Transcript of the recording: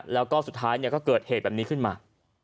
แล้วก็สุดท้ายก็เกิดเหตุแบบนี้ขึ้นมา